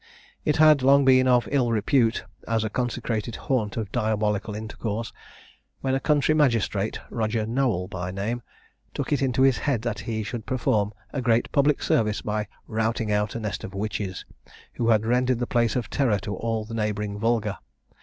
It had long been of ill repute, as a consecrated haunt of diabolical intercourse, when a country magistrate, Roger Nowel by name, took it into his head that he should perform a great public service by routing out a nest of witches, who had rendered the place a terror to all the neighbouring vulgar.